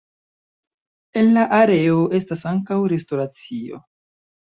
En la areo estas ankaŭ restoracio.